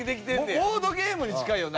ボードゲームに近いよな。